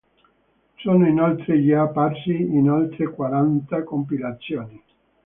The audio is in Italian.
Sono inoltre già apparsi in oltre quaranta compilazioni.